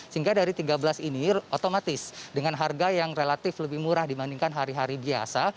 sehingga dari tiga belas ini otomatis dengan harga yang relatif lebih murah dibandingkan hari hari biasa